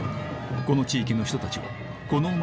この地域の人たちはさぁ